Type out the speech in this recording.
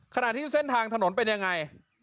ขณะที่เส้นทางถนนเป็นยังไง